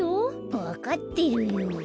わかってるよ。